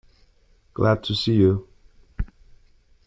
Glad to see you.